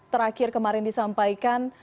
terakhir kemarin disampaikan